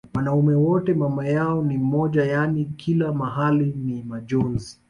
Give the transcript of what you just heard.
wanaume wote mamayao ni mmoja yani kila mahali ni majonzi